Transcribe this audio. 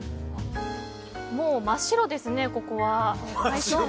もう真っ白ですね、ここは。